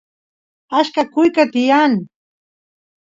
acha kuyqa tiyan